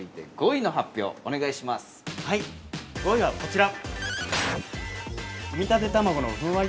５位は、こちら。